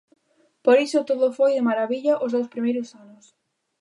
Por iso todo foi de marabilla os dous primeiros anos.